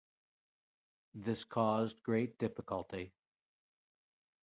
This caused great difficulty.